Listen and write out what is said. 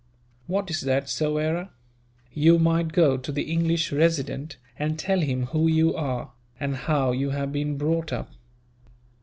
"What is that, Soyera?" "You might go to the English Resident, and tell him who you are, and how you have been brought up.